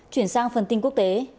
chuyển sang phần tin quốc tế